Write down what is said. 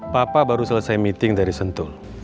papa baru selesai meeting dari sentul